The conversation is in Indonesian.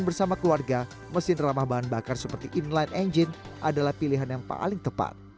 bersama keluarga mesin ramah bahan bakar seperti inline engine adalah pilihan yang paling tepat